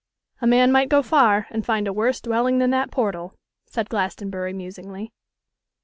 'A man might go far, and find a worse dwelling than that portal,' said Glastonbury, musingly.